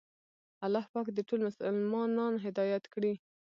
الله پاک دې ټول مسلمانان هدایت کړي.